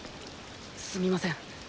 すみません。